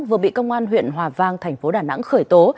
vừa bị công an huyện hòa vang thành phố đà nẵng khởi tố